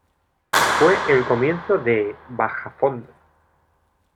Fue el comienzo de "Bajofondo".